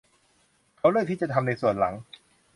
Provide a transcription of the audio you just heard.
เขาเลือกจะทำในส่วนหลัง